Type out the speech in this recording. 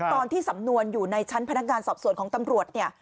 ตอนที่สำนวนอยู่ในชั้นพนักงานสอบสวนของตำรวจเนี่ย